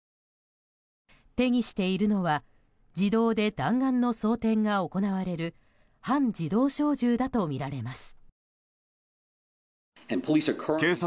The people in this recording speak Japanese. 手にしているのは自動で弾丸の装填が行われる半自動小銃だとみられます。